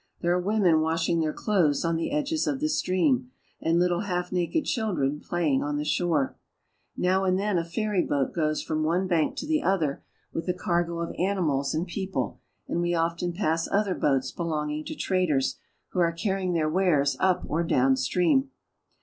There are women washing their clothes on the edges of the stream, and littie half naked children playing on the shore. Now and then a ferry boat goes from one bank to the other with a cargo of animals and people, and we often pass other boats belonging to traders, who are carrying their wares up or down stream.